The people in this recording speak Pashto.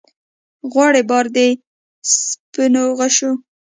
غواړي بار د سپینو غشو